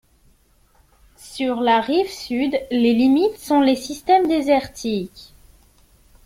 Sur la rive sud, les limites sont les systèmes désertiques.